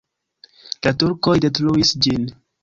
La turkoj detruis ĝin.